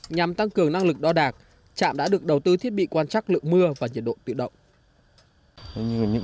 nhằm tăng cường năng lực đo đạt trạm đã được đầu tư thiết bị quan trắc lượng mưa và nhiệt độ tự động